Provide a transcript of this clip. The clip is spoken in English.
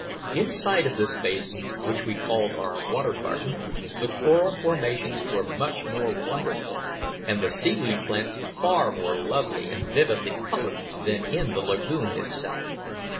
Inside of this basin, which we called our Water Garden, the coral formations were much more wonderful, and the seaweed plants far more lovely and vividly coloured, than in the lagoon itself.